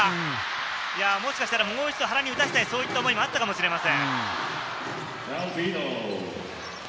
もしかしたら、もう一度、原に打たせたい、そういった思いもあったかもしれません。